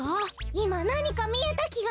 いまなにかみえたきが。